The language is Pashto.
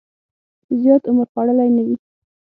زیات عمر خوړلی نه وي.